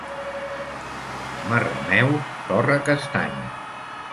Marrameu, torra castanyes!